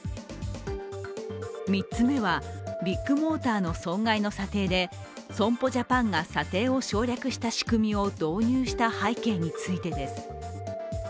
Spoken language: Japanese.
３つ目はビッグモーターの損害の査定で損保ジャパンが査定を省略した仕組みを導入した背景についてです。